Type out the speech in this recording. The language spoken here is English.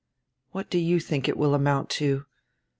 What do you diink it will amount to?